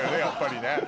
やっぱりね。